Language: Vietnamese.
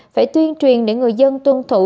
phải tuyên truyền để người dân tuân thủ